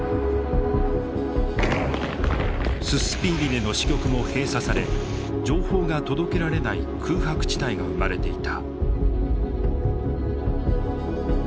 ススピーリネの支局も閉鎖され情報が届けられない空白地帯が生まれていた。